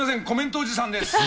コメントおじさんです。